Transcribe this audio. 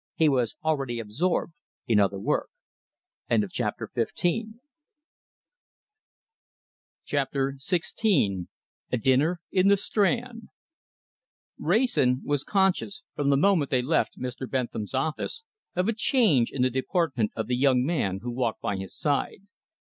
He was already absorbed in other work. CHAPTER XVI A DINNER IN THE STRAND Wrayson was conscious, from the moment they left Mr. Bentham's office, of a change in the deportment of the young man who walked by his side.